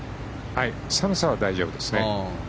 寒さは大丈夫ですね。